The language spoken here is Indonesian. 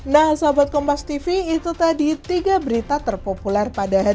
nah sahabat kompas tv itu tadi tiga berita terpopuler